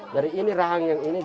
dari ini rahangnya ini